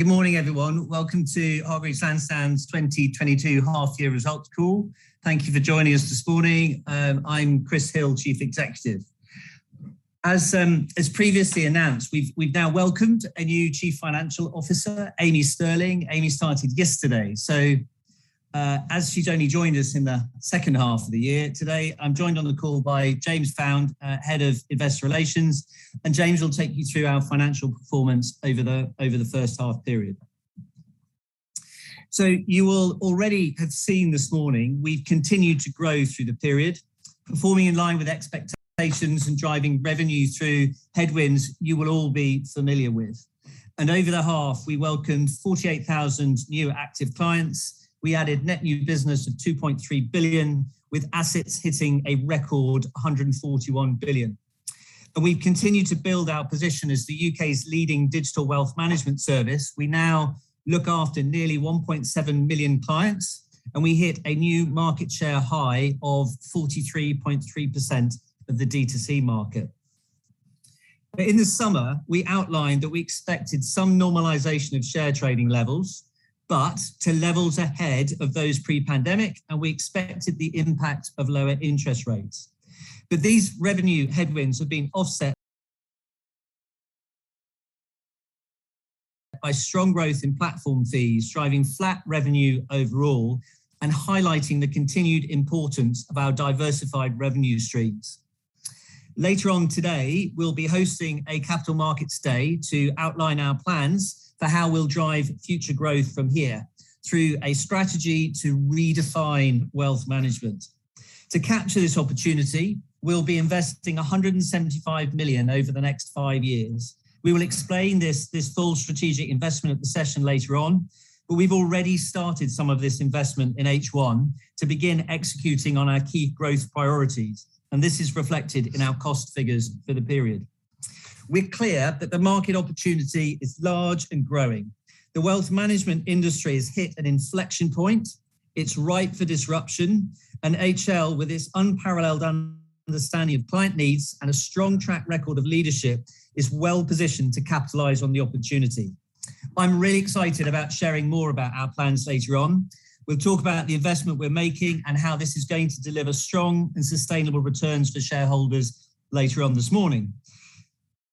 Good morning, everyone. Welcome to Hargreaves Lansdown's 2022 half-year results call. Thank you for joining us this morning. I'm Chris Hill, Chief Executive. As previously announced, we've now welcomed a new Chief Financial Officer, Amy Stirling. Amy started yesterday. As she's only joined us in the second half of the year, today I'm joined on the call by James Found, Head of Investor Relations, and James will take you through our financial performance over the first half period. You will already have seen this morning we've continued to grow through the period, performing in line with expectations and driving revenue through headwinds you will all be familiar with. Over the half, we welcomed 48,000 new active clients. We added net new business of 2.3 billion, with assets hitting a record 141 billion. We've continued to build our position as the U.K.'s leading digital wealth management service. We now look after nearly 1.7 million clients, and we hit a new market share high of 43.3% of the D2C market. In the summer, we outlined that we expected some normalization of share trading levels, but to levels ahead of those, pre-pandemic, and we expected the impact of lower interest rates. These revenue headwinds have been offset by strong growth in platform fees, driving flat revenue overall and highlighting the continued importance of our diversified revenue streams. Later on today, we'll be hosting a Capital Markets Day to outline our plans for how we'll drive future growth from here through a strategy to redefine wealth management. To capture this opportunity, we'll be investing 175 million over the next five years. We will explain this full strategic investment at the session later on, but we've already started some of this investment in H1 to begin executing on our key growth priorities, and this is reflected in our cost figures for the period. We're clear that the market opportunity is large and growing. The wealth management industry has hit an inflection point. It's ripe for disruption and HL, with its unparalleled understanding of client needs and a strong track record of leadership, is well positioned to capitalize on the opportunity. I'm really excited about sharing more about our plans later on. We'll talk about the investment we're making and how this is going to deliver strong and sustainable returns for shareholders later on this morning.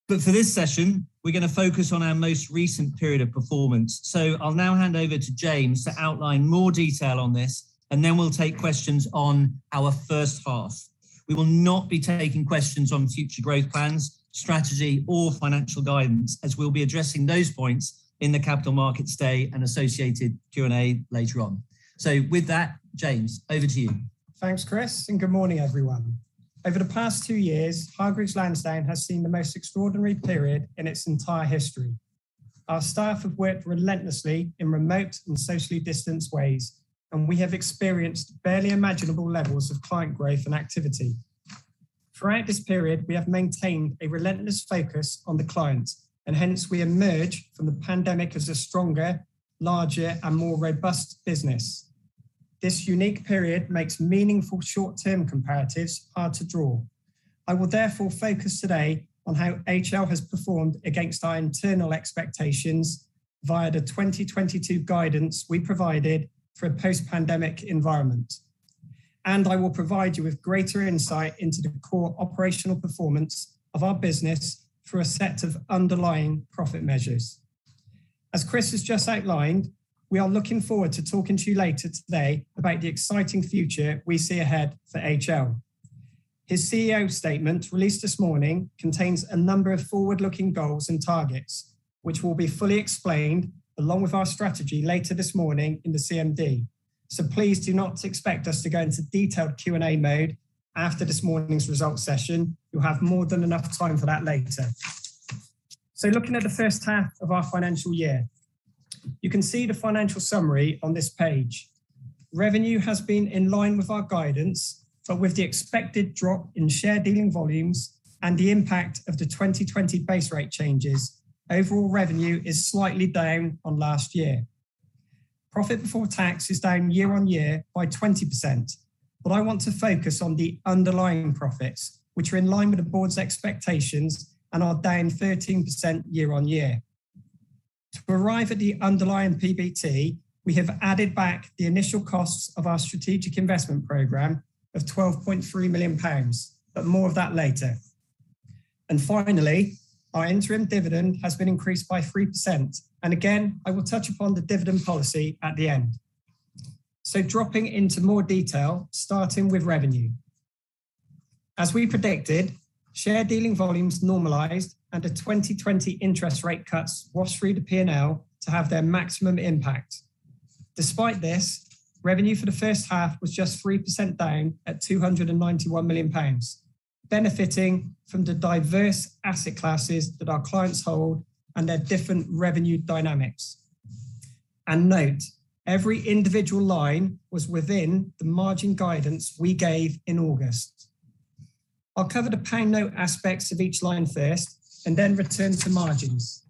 For this session, we're going to focus on our most recent period of performance. I'll now hand over to James to outline more detail on this, and then we'll take questions on our first half. We will not be taking questions on future growth plans, strategy, or financial guidance, as we'll be addressing those points in the Capital Markets Day and associated Q&A later on. With that, James, over to you. Thanks, Chris, and good morning, everyone. Over the past two years, Hargreaves Lansdown has seen the most extraordinary period in its entire history. Our staff have worked relentlessly in remote and socially distanced ways, and we have experienced barely imaginable levels of client growth and activity. Throughout this period, we have maintained a relentless focus on the client, and hence we emerge from the pandemic as a stronger, larger, and more robust business. This unique period makes meaningful short-term comparatives hard to draw. I will therefore focus today on how HL has performed against our internal expectations via the 2022 guidance we provided for a post-pandemic environment. I will provide you with greater insight into the core operational performance of our business through a set of underlying profit measures. As Chris has just outlined, we are looking forward to talking to you later today about the exciting future we see ahead for HL. His CEO statement, released this morning, contains a number of forward-looking goals and targets, which will be fully explained along with our strategy later this morning in the CMD. Please do not expect us to go into detailed Q&A mode after this morning's results session. You'll have more than enough time for that later. Looking at the first half of our financial year, you can see the financial summary on this page. Revenue has been in line with our guidance. With the expected drop in share dealing volumes and the impact of the 2020 base rate changes, overall revenue is slightly down on last year. Profit before tax is down year on year by 20%. I want to focus on the underlying profits, which are in line with the board's expectations and are down 13% year-on-year. To arrive at the underlying PBT, we have added back the initial costs of our strategic investment program of 12.3 million pounds, but more of that later. Finally, our interim dividend has been increased by 3%. Again, I will touch upon the dividend policy at the end. Dropping into more detail, starting with revenue. As we predicted, share dealing volumes normalized and the 2020 interest rate cuts were free to P&L to have their maximum impact. Despite this, revenue for the first half was just 3% down at 291 million pounds, benefiting from the diverse asset classes that our clients hold and their different revenue dynamics. Note, every individual line was within the margin guidance we gave in August. I'll cover the P&L aspects of each line first and then return to margins.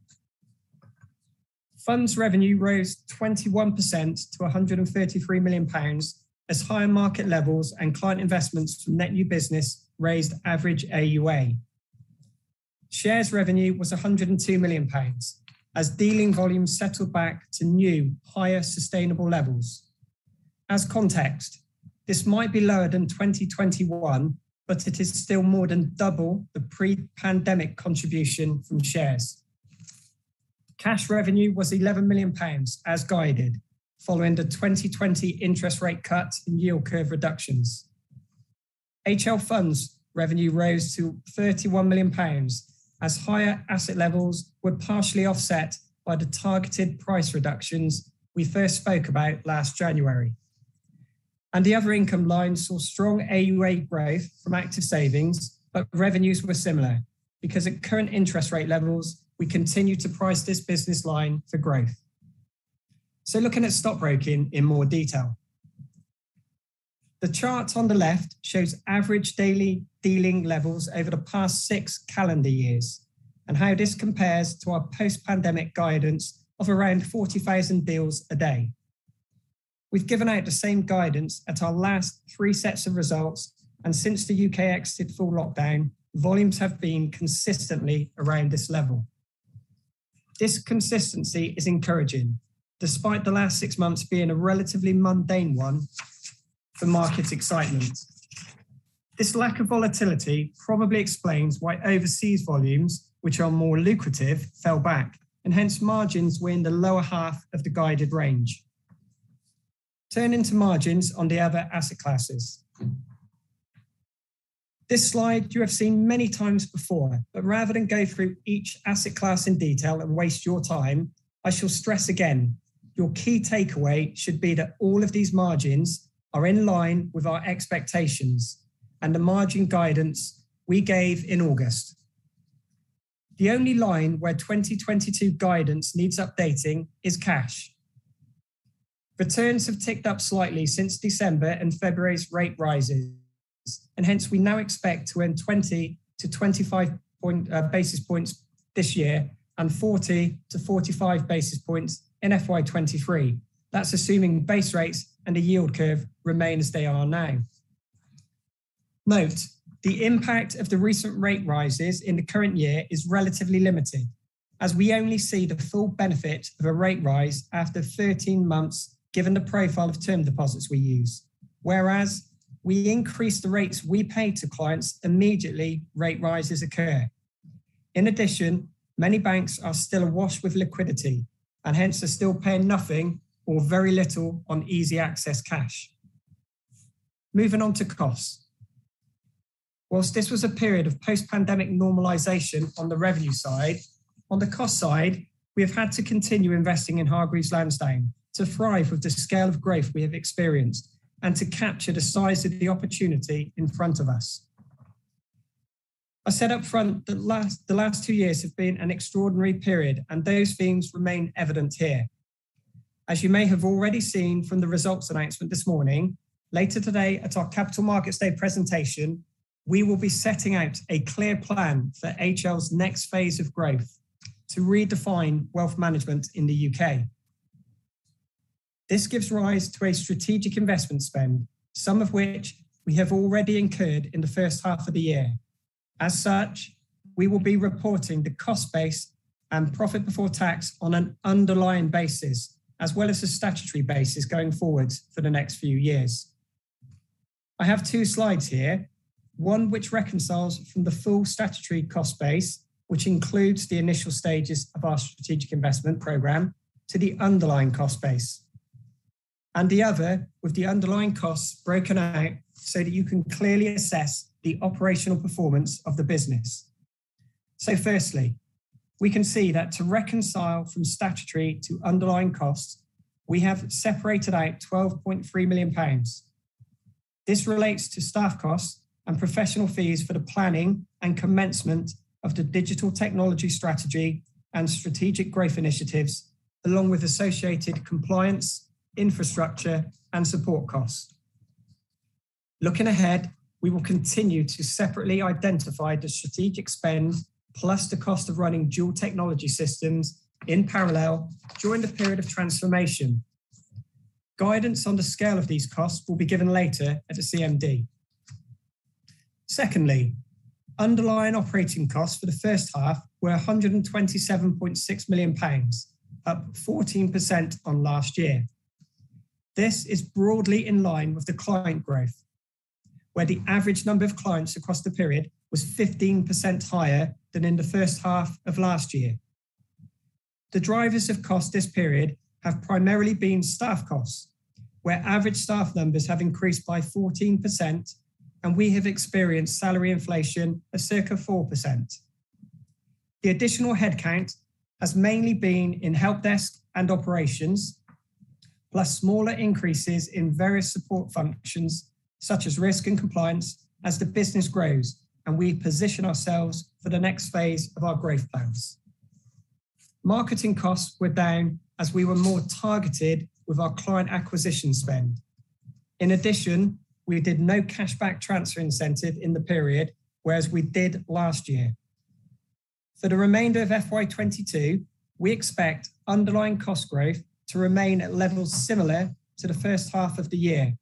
Funds revenue rose 21% to 133 million pounds as higher market levels and client investments from net new business raised average AUA. Shares revenue was 102 million pounds as dealing volumes settled back to new higher sustainable levels. As context, this might be lower than 2021, but it is still more than double the pre-pandemic contribution from shares. Cash revenue was 11 million pounds as guided following the 2020 interest rate cut in yield curve reductions. HL Funds revenue rose to 31 million pounds as higher asset levels were partially offset by the targeted price reductions we first spoke about last January. The other income line saw strong AUA growth from Active Savings, but revenues were similar because at current interest rate levels, we continue to price this business line for growth. Looking at stockbroking in more detail. The chart on the left shows average daily dealing levels over the past six calendar years and how this compares to our post-pandemic guidance of around 40,000 deals a day. We've given out the same guidance at our last three sets of results, and since the U.K. exited full lockdown, volumes have been consistently around this level. This consistency is encouraging despite the last six months being a relatively mundane one for market excitement. This lack of volatility probably explains why overseas volumes, which are more lucrative, fell back, and hence margins were in the lower half of the guided range. Turning to margins on the other asset classes. This slide you have seen many times before, but rather than go through each asset class in detail and waste your time, I shall stress again your key takeaway should be that all of these margins are in line with our expectations and the margin guidance we gave in August. The only line where 2022 guidance needs updating is cash. Returns have ticked up slightly since December and February's rate rises, and hence we now expect to earn 20-25 basis points this year and 40-45 basis points in FY 2023. That's assuming base rates and the yield curve remain as they are now. Note that the impact of the recent rate rises in the current year is relatively limited as we only see the full benefit of a rate rise after 13 months given the profile of term deposits we use, whereas we increase the rates we pay to clients immediately rate rises occur. In addition, many banks are still awash with liquidity, and hence they're still paying nothing or very little on easy access cash. Moving on to costs. While this was a period of post-pandemic normalization on the revenue side, on the cost side, we have had to continue investing in Hargreaves Lansdown to thrive with the scale of growth we have experienced and to capture the size of the opportunity in front of us. I said upfront that the last two years have been an extraordinary period, and those themes remain evident here. As you may have already seen from the results announcement this morning, later today at our Capital Markets Day presentation, we will be setting out a clear plan for HL's next phase of growth to redefine wealth management in the U.K. This gives rise to a strategic investment spend, some of which we have already incurred in the first half of the year. As such, we will be reporting the cost base and profit before tax on an underlying basis as well as the statutory basis going forward for the next few years. I have two slides here, one which reconciles from the full statutory cost base, which includes the initial stages of our strategic investment program to the underlying cost base. The other with the underlying costs broken out so that you can clearly assess the operational performance of the business. Firstly, we can see that to reconcile from statutory to underlying costs, we have separated out 12.3 million pounds. This relates to staff costs and professional fees for the planning and commencement of the digital technology strategy and strategic growth initiatives along with associated compliance, infrastructure, and support costs. Looking ahead, we will continue to separately identify the strategic spend plus the cost of running dual technology systems in parallel during the period of transformation. Guidance on the scale of these costs will be given later at the CMD. Secondly, underlying operating costs for the first half were 127.6 million pounds, up 14% on last year. This is broadly in line with the client growth, where the average number of clients across the period was 15% higher than in the first half of last year. The drivers of cost this period have primarily been staff costs, where average staff numbers have increased by 14%, and we have experienced salary inflation of circa 4%. The additional headcount has mainly been in Helpdesk and Operations, plus smaller increases in various support functions such as risk and compliance as the business grows and we position ourselves for the next phase of our growth plans. Marketing costs were down as we were more targeted with our client acquisition spend. In addition, we did no cashback transfer incentive in the period, whereas we did last year. For the remainder of FY 2022, we expect underlying cost growth to remain at levels similar to the first half of the year,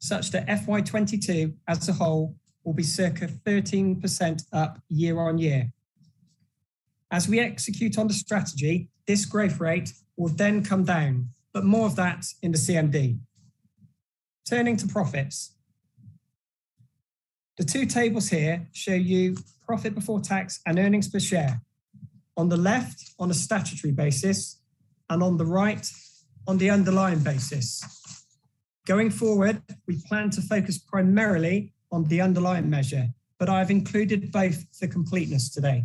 such that FY 2022 as a whole will be circa 13% up year on year. As we execute on the strategy, this growth rate will then come down, but more of that in the CMD. Turning to profits. The two tables here show you profit before tax and earnings per share, on the left on a statutory basis and on the right on the underlying basis. Going forward, we plan to focus primarily on the underlying measure, but I've included both for completeness today.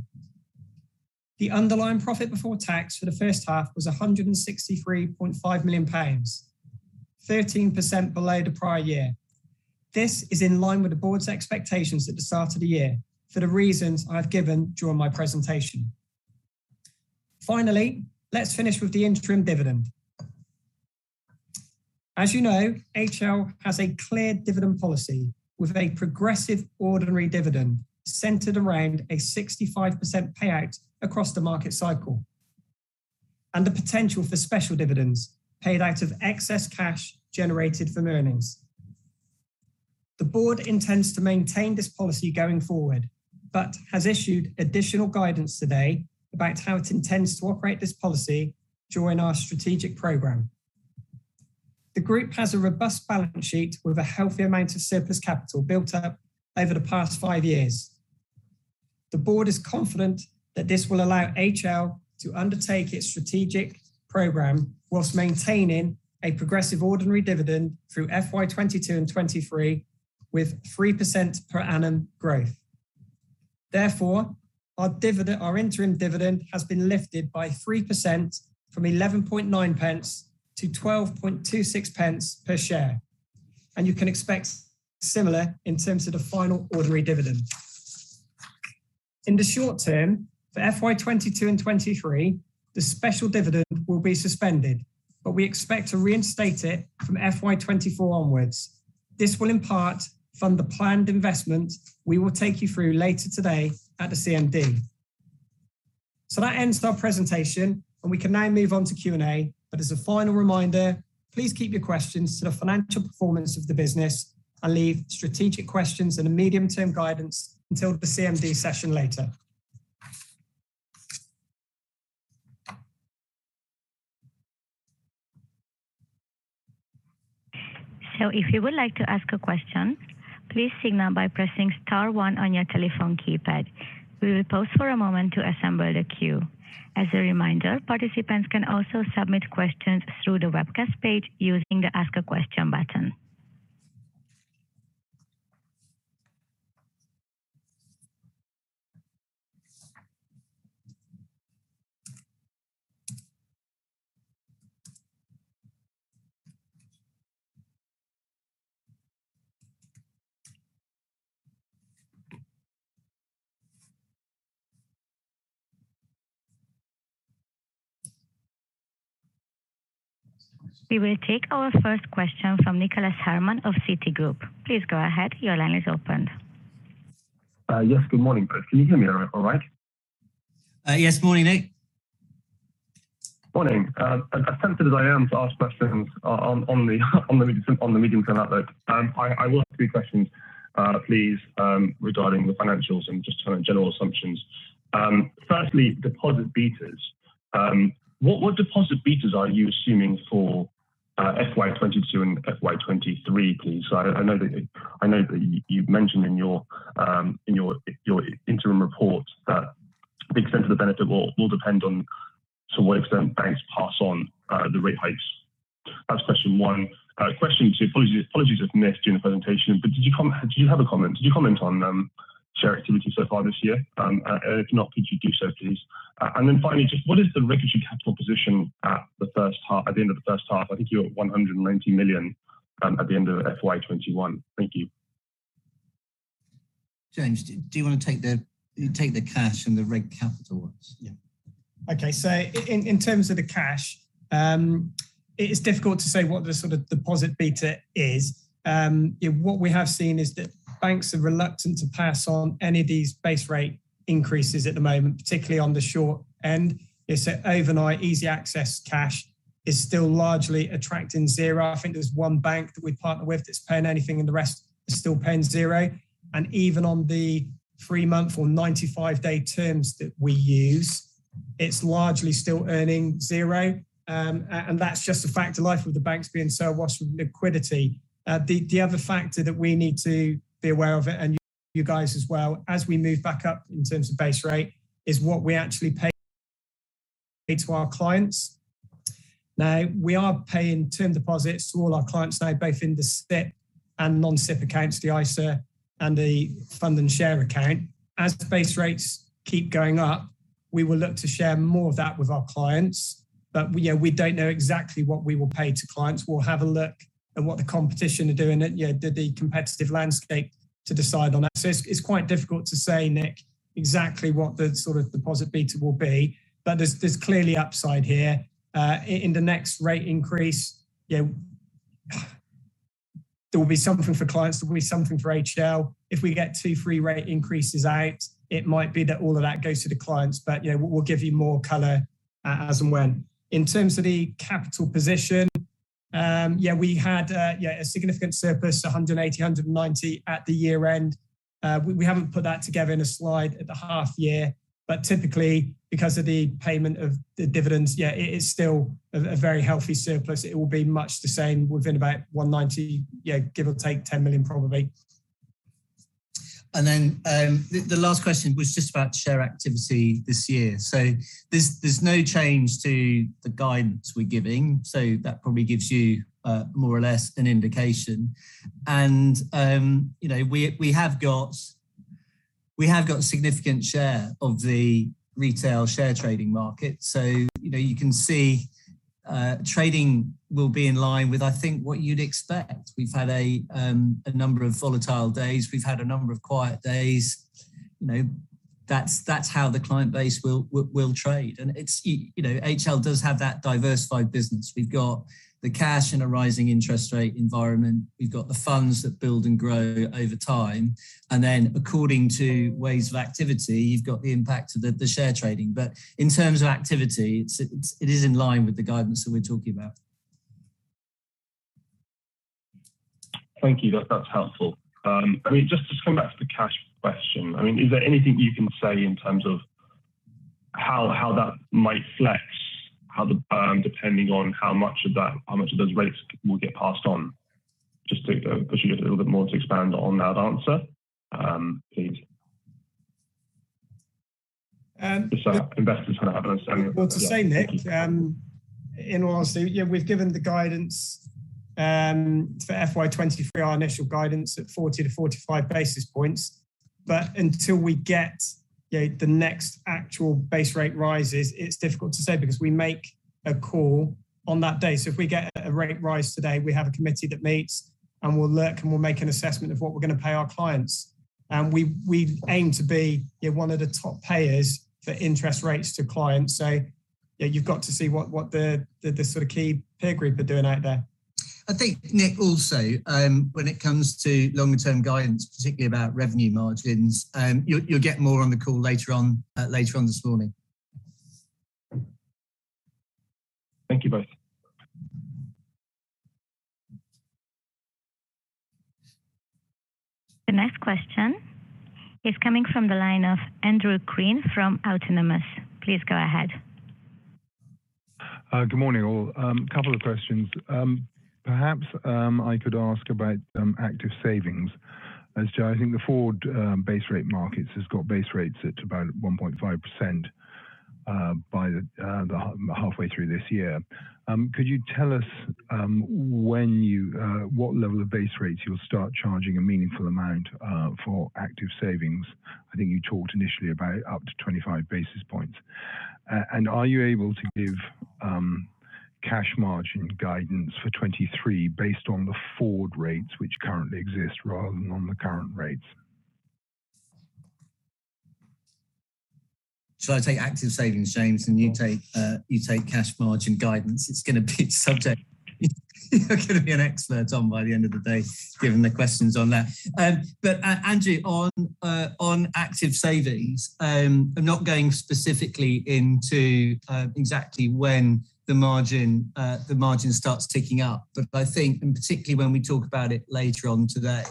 The underlying profit before tax for the first half was 163.5 million pounds, 13% below the prior year. This is in line with the board's expectations at the start of the year for the reasons I've given during my presentation. Finally, let's finish with the interim dividend. As you know, HL has a clear dividend policy with a progressive ordinary dividend centered around a 65% payout across the market cycle, and the potential for special dividends paid out of excess cash generated from earnings. The board intends to maintain this policy going forward but has issued additional guidance today about how it intends to operate this policy during our strategic program. The group has a robust balance sheet with a healthy amount of surplus capital built up over the past five years. The board is confident that this will allow HL to undertake its strategic program while maintaining a progressive ordinary dividend through FY 2022 and 2023 with 3% per annum growth. Therefore, our dividend, our interim dividend has been lifted by 3% from 0.119 to 0.1226 per share, and you can expect similar in terms of the final ordinary dividend. In the short term, for FY 2022 and 2023, the special dividend will be suspended, but we expect to reinstate it from FY 2024 onwards. This will in part fund the planned investment we will take you through later today at the CMD. That ends our presentation, and we can now move on to Q&A. As a final reminder, please keep your questions to the financial performance of the business and leave strategic questions and the medium-term guidance until the CMD session later. If you would like to ask a question, please signal by pressing star one on your telephone keypad. We will pause for a moment to assemble the queue. As a reminder, participants can also submit questions through the webcast page using the Ask a Question button. We will take our first question from Nicholas Herman of Citigroup. Please go ahead. Your line is open. Yes, good morning. Can you hear me all right? Yes. Morning, Nick. Morning. As tempted as I am to ask questions on the medium-term outlook, I will have three questions, please, regarding the financials and just kind of general assumptions. Firstly, deposit betas. What deposit betas are you assuming for FY 2022 and FY 2023, please? I know that you've mentioned in your interim report that a big extent of the benefit will depend on to what extent banks pass on the rate hikes. That's question one. Question two. Apologies if you missed it during the presentation, but did you comment on share activity so far this year? If not, could you do so please? Finally, just what is the regulatory capital position at the first half, at the end of the first half? I think you were at 190 million at the end of FY 2021. Thank you. James, do you want to take the cash and the reg capital ones? In terms of the cash, it is difficult to say what the sort of deposit beta is. What we have seen is that banks are reluctant to pass on any of these base rate increases at the moment, particularly on the short end. It's overnight easy access cash is still largely attracting zero. I think there's one bank that we partner with that's paying anything and the rest are still paying zero. Even on the three-month or 95-day terms that we use, it's largely still earning zero. That's just a fact of life with the banks being so awash with liquidity. The other factor that we need to be aware of, and you guys as well, as we move back up in terms of base rate, is what we actually pay to our clients. Now, we are paying term deposits to all our clients now, both in the SIPP and non-SIPP accounts, the ISA and the Fund and Share Account. As the base rates keep going up, we will look to share more of that with our clients. Yes, we don't know exactly what we will pay to clients. We'll have a look at what the competition are doing and the competitive landscape to decide on that. It's quite difficult to say, Nick, exactly what the sort of deposit beta will be, but there's clearly upside here. In the next rate increase, there will be something for clients, there will be something for HL. If we get two or three rate increases out, it might be that all of that goes to the clients. You know, we'll give you more color as and when. In terms of the capital position, we had a significant surplus, 180 million-190 million at the year end. We haven't put that together in a slide at the half year, but typically because of the payment of the dividends, it is still a very healthy surplus. It will be much the same within about 190 million, give or take 10 million probably. The last question was just about share activity this year. There's no change to the guidance we're giving, so that probably gives you more or less an indication. You know, we have got a significant share of the retail share trading market, so you know, you can see trading will be in line with, I think what you'd expect. We've had a number of volatile days. We've had a number of quiet days. You know, that's how the client base will trade. It's you know, HL does have that diversified business. We've got the cash in a rising interest rate environment. We've got the funds that build and grow over time. According to waves of activity, you've got the impact of the share trading. In terms of activity, it is in line with the guidance that we're talking about. Thank you. That's helpful. I mean, just to come back to the cash question. I mean, is there anything you can say in terms of how that might flex, depending on how much of that, how much of those rates will get passed on? Just to push you a little bit more to expand on that answer, please. Just so investors kind of have an understanding of. Well, to say, Nick, in all honesty, Yes, we've given the guidance for FY 2023, our initial guidance at 40-45 basis points. Until we get, you know, the next actual base rate rises, it's difficult to say because we make a call on that day. If we get a rate rise today, we have a committee that meets, and we'll look and we'll make an assessment of what we're going to pay our clients. We aim to be, you know, one of the top payers for interest rates to clients. You've got to see what the sort of key peer group are doing out there. I think Nick also, when it comes to longer term guidance, particularly about revenue margins, you'll get more on the call later on this morning. Thank you both. The next question is coming from the line of Andrew Crean from Autonomous. Please go ahead. Good morning, all. Couple of questions. Perhaps I could ask about Active Savings. I think the forward base rate market has got base rates at about 1.5% by halfway through this year. Could you tell us when, what level of base rates you'll start charging a meaningful amount for Active Savings? I think you talked initially about up to 25 basis points. Are you able to give cash margin guidance for 2023 based on the forward rates which currently exist rather than on the current rates? Shall I take Active Savings, James, and you take cash margin guidance? It's going to be a subject you're going to be an expert on by the end of the day, given the questions on that. Andrew, on Active Savings, I'm not going specifically into exactly when the margin starts ticking up. I think, and particularly when we talk about it later on today,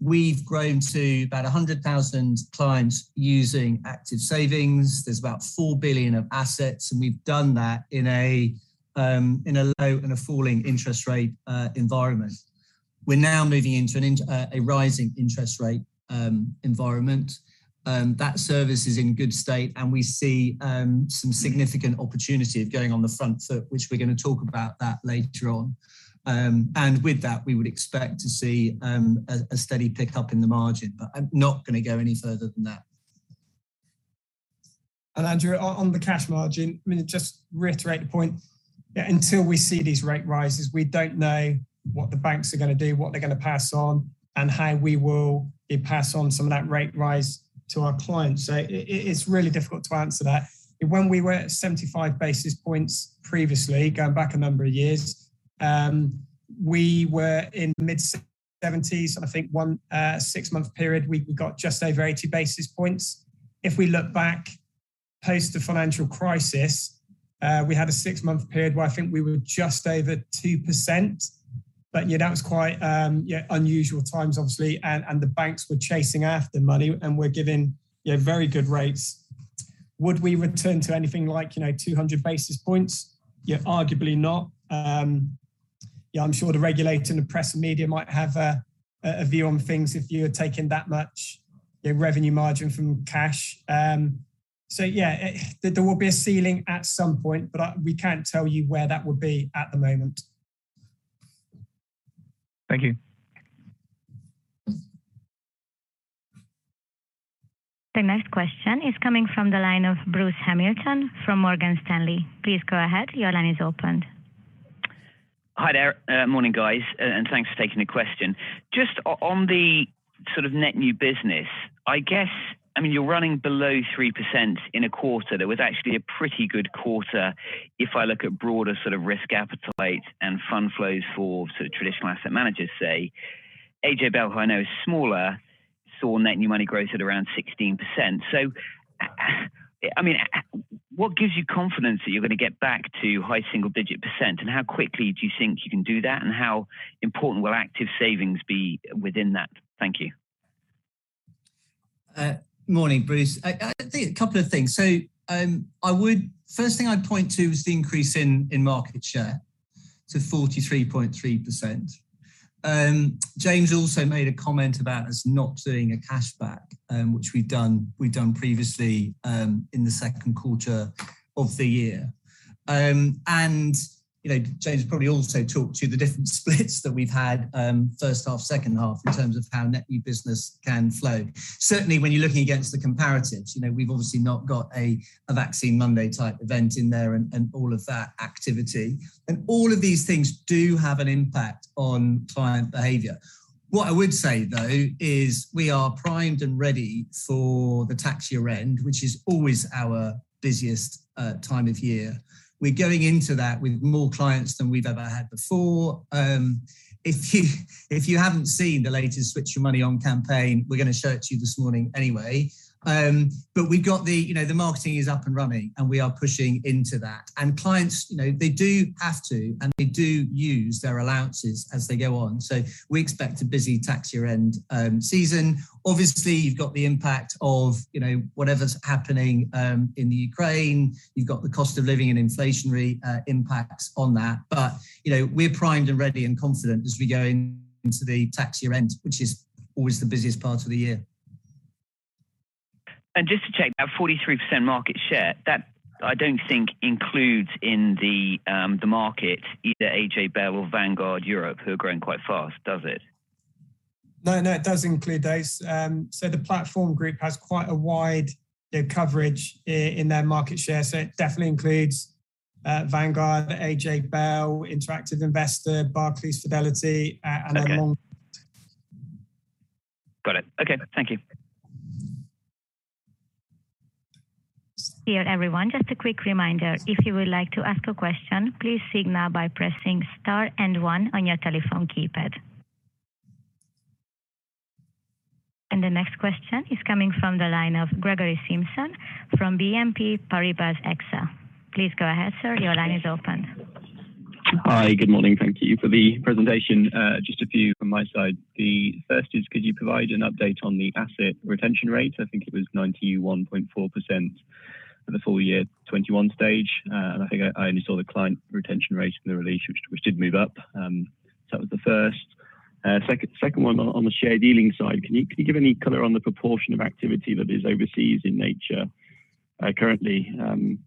we've grown to about 100,000 clients using Active Savings. There's about 4 billion of assets, and we've done that in a low and a falling interest rate environment. We're now moving into a rising interest rate environment. That service is in good state, and we see some significant opportunity of going on the front foot, which we're going to talk about that later on. With that we would expect to see a steady pickup in the margin. I'm not going to go any further than that. Andrew, on the cash margin, I mean, to just reiterate the point, until we see these rate rises, we don't know what the banks are going to do, what they're going to pass on, and how we will pass on some of that rate rise to our clients. It's really difficult to answer that. When we were at 75 basis points previously, going back a number of years, we were in mid-70s. I think one six-month period, we got just over 80 basis points. If we look back post the financial crisis, we had a six-month period where I think we were just over 2%. Yes, that was quite unusual times obviously, and the banks were chasing after money and were giving very good rates. Would we return to anything like, you know, 200 basis points? Yes, arguably not. I'm sure the regulator and the press and media might have a view on things if you're taking that much revenue margin from cash. There will be a ceiling at some point, but we can't tell you where that would be at the moment. Thank you. The next question is coming from the line of Bruce Hamilton from Morgan Stanley. Please go ahead, your line is open. Hi there. Morning, guys, and thanks for taking the question. Just on the sort of net new business. I guess, you're running below 3% in a quarter that was actually a pretty good quarter if I look at broader sort of risk appetite and fund flows for sort of traditional asset managers, say. AJ Bell, who I know is smaller, saw net new money growth at around 16%. I mean, what gives you confidence that you're going to get back to high single-digit percent, and how quickly do you think you can do that, and how important will Active Savings be within that? Thank you. Morning, Bruce. I think a couple of things. I would first thing I'd point to is the increase in market share to 43.3%. James also made a comment about us not doing a cashback, which we've done previously, in the second quarter of the year. You know, James probably also talked to the different splits that we've had, first half, second half in terms of how net new business can flow. Certainly, when you're looking against the comparatives, you know, we've obviously not got a vaccine Monday type event in there and all of that activity. All of these things do have an impact on client behavior. What I would say, though, is we are primed and ready for the tax year-end, which is always our busiest time of year. We're going into that with more clients than we've ever had before. If you haven't seen the latest Switch Your Money ON campaign, we're going to show it to you this morning anyway. We've got you know, the marketing is up and running, and we are pushing into that and clients they do have to, and they do use their allowances as they go on. We expect a busy tax year-end season. Obviously, you've got the impact of, you know, whatever's happening in the Ukraine. You've got the cost of living and inflationary impacts on that. You know, we're primed and ready and confident as we go into the tax year-end, which is always the busiest part of the year. Just to check, that 43% market share, that I don't think includes in the market either AJ Bell or Vanguard Europe, who are growing quite fast, does it? No, it does include those. The Platforum Group has quite a wide coverage in their market share, so it definitely includes Vanguard, AJ Bell, Interactive Investor, Barclays, Fidelity, and then more. Okay. Got it. Okay, thank you. Here, everyone, just a quick reminder. If you would like to ask a question, please signal by pressing star and one on your telephone keypad. The next question is coming from the line of Gregory Simpson from BNP Paribas Exane. Please go ahead, Sir. Your line is open. Hi. Good morning. Thank you for the presentation. Just a few from my side. The first is, could you provide an update on the asset retention rate? I think it was 91.4% for the full year 2021. I think I only saw the client retention rate in the release which did move up. That was the first. Second one on the share dealing side. Can you give any color on the proportion of activity that is overseas in nature currently? And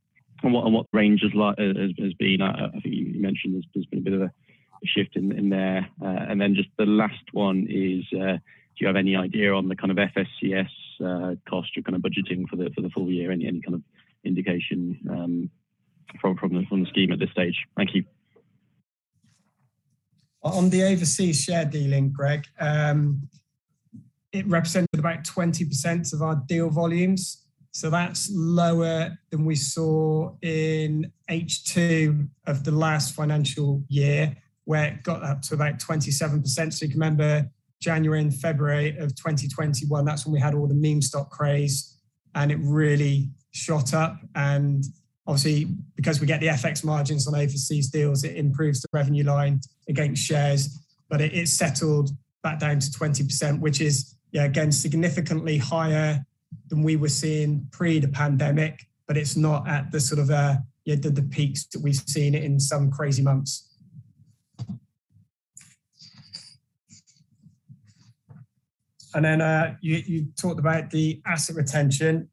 what range has been? I think you mentioned there's been a bit of a shift in there. Just the last one is, do you have any idea on the kind of FSCS cost your kind of budgeting for the full year? Any kind of indication from the scheme at this stage? Thank you. On the overseas share dealing, Greg, it represented about 20% of our deal volumes. That's lower than we saw in H2 of the last financial year, where it got up to about 27%. You can remember January and February of 2021, that's when we had all the meme stock craze, and it really shot up. Obviously, because we get the FX margins on overseas deals, it improves the revenue line against shares. It settled back down to 20%, which is, again, significantly higher than we were seeing pre the pandemic. It's not at the sort of the peaks that we've seen in some crazy months. Then you talked about the asset retention.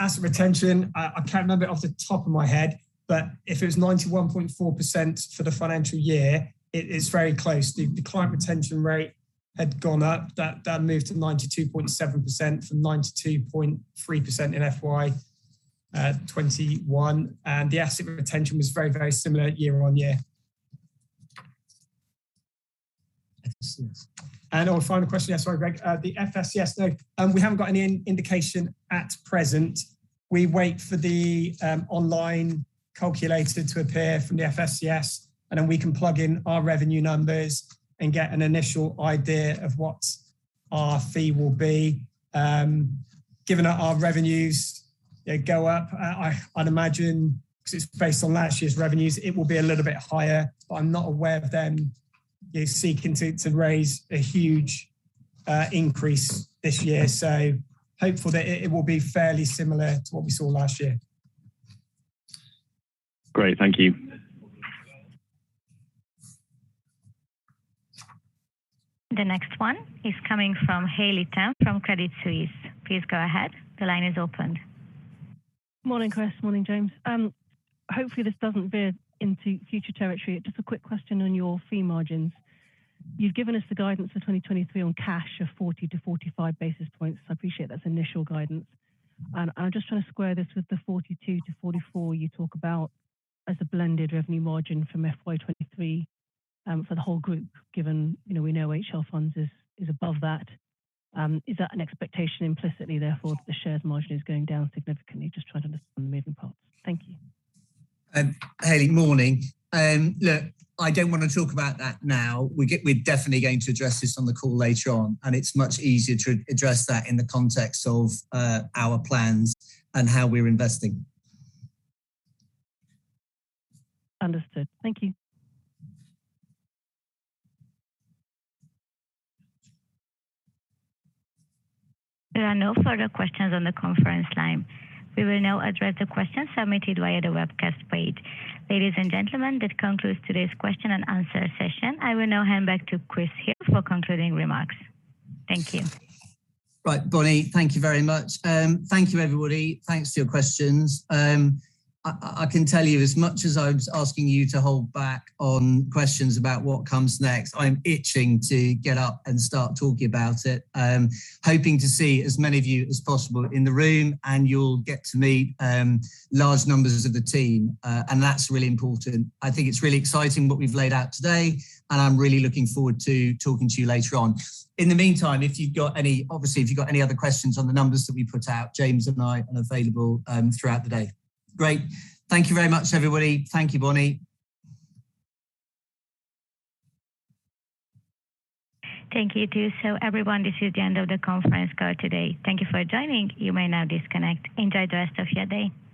Asset retention, I can't remember it off the top of my head, but if it was 91.4% for the financial year, it is very close. The client retention rate had gone up. That moved to 92.7% from 92.3% in FY 2021. The asset retention was very similar year-on-year. Our final question. Yes, sorry, Gregory. The FSCS, no, we haven't got any indication at present. We wait for the online calculator to appear from the FSCS, and then we can plug in our revenue numbers and get an initial idea of what our fee will be. Given that our revenues, they go up, I'd imagine, because it's based on last year's revenues, it will be a little bit higher. I'm not aware of them, they're seeking to raise a huge increase this year. Hopeful that it will be fairly similar to what we saw last year. Great. Thank you. The next one is coming from Haley Tam from Credit Suisse. Please go ahead. The line is opened. Morning, Chris. Morning, James. Hopefully this doesn't veer into future territory. Just a quick question on your fee margins. You've given us the guidance for 2023 on cash of 40-45 basis points. I appreciate that's initial guidance. I'm just trying to square this with the 42%-44% you talk about as a blended revenue margin from FY 2023 for the whole group, given, you know, we know HL Funds is above that. Is that an expectation implicitly therefore the share margin is going down significantly? Just trying to understand the moving parts. Thank you. Hayley, morning. Look, I don't want to talk about that now. We're definitely going to address this on the call later on, and it's much easier to address that in the context of our plans and how we're investing. Understood. Thank you. There are no further questions on the conference line. We will now address the questions submitted via the webcast page. Ladies and gentlemen, that concludes today's question and answer session. I will now hand back to Chris Hill for concluding remarks. Thank you. Right. Bonnie, thank you very much. Thank you, everybody. Thanks for your questions. I can tell you as much as I was asking you to hold back on questions about what comes next, I'm itching to get up and start talking about it. Hoping to see as many of you as possible in the room, and you'll get to meet large numbers of the team. That's really important. I think it's really exciting what we've laid out today, and I'm really looking forward to talking to you later on. In the meantime, obviously, if you've got any other questions on the numbers that we put out, James and I are available throughout the day. Great. Thank you very much, everybody. Thank you, Bonnie. Thank you too. Everyone, this is the end of the conference call today. Thank you for joining. You may now disconnect. Enjoy the rest of your day.